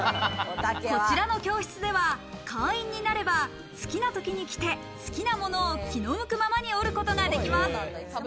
こちらの教室では会員になれば好きな時に来て、好きなものを気の向くままに織ることができます。